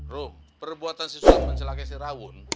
rum perbuatan si sulam mencelakai si rawun